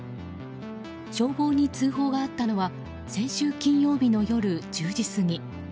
消防に通報があったのは先週金曜日の夜１０時過ぎ。